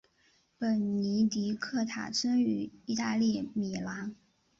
本尼迪克塔生于意大利米兰。